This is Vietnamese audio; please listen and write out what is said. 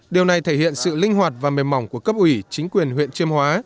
điều này thể hiện sự linh hoạt và mềm mỏng của cấp ủy chính quyền huyện chiêm hóa